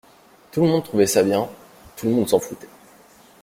tout le monde trouvait ça bien, tout le monde s’en foutait.